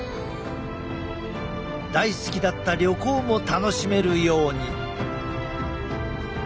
大好きだった旅行も楽しめるように。